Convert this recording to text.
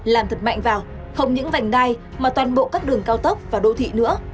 làm thật mạnh vào không những vành đai mà toàn bộ các đường cao tốc và đô thị nữa